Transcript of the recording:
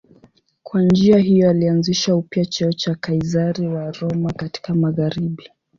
Kwa njia hiyo alianzisha upya cheo cha Kaizari wa Roma katika magharibi.